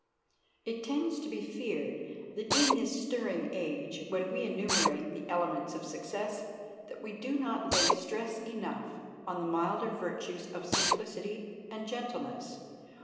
It is to be feared that in this stirring age, when we enumerate the elements of success, that we do not lay stress enough on the milder virtues of simplicity and gentleness.